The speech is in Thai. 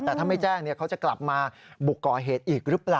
แต่ถ้าไม่แจ้งเขาจะกลับมาบุกก่อเหตุอีกหรือเปล่า